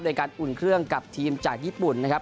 โดยการอุ่นเครื่องกับทีมจากญี่ปุ่นนะครับ